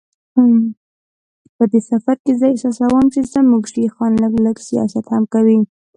په دې سفر کې زه احساسوم چې زموږ شیخان لږ لږ سیاست هم کوي.